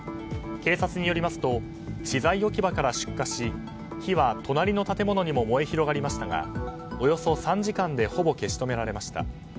警察によりますと資材置き場から出火し火は隣の建物にも燃え広がりましたがおよそ３時間でほぼ消し止められました。